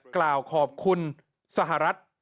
กล่าวขอบคุณสหรัฐ